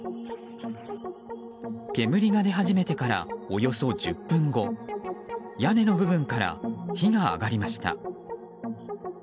煙が出始めてからおよそ１０分後屋根の部分から火が上がりました。